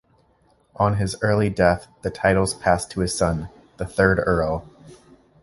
On his early death the titles passed to his son, the third Earl.